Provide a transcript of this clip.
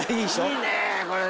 いいねこれね。